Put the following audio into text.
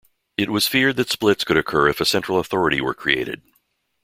It was feared that splits could occur if a central authority were created.